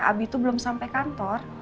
abi tuh belum sampe kantor